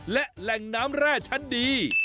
และแหล่งน้ำแร่ชั้นดี